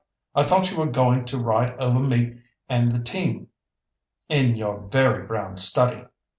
I thought you were going to ride over me and the team, in your very brown study.